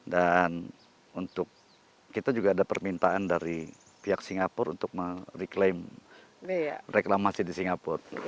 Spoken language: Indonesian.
dan untuk kita juga ada permintaan dari pihak singapura untuk mereklaim reklamasi di singapura